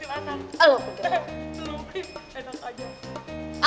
lo pukul enak aja